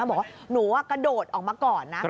บอกว่าหนูกระโดดออกมาก่อนนะ